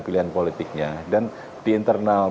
pilihan politiknya dan di internal